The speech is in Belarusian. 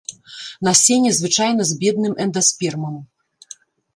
Насенне звычайна з бедным эндаспермам.